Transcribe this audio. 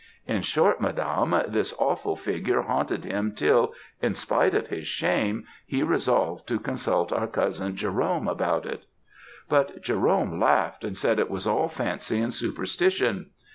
In short, madame, this awful figure haunted him till, in spite of his shame, he resolved to consult our cousin Jerome about it.' "But Jerome laughed, and said it was all fancy and superstition.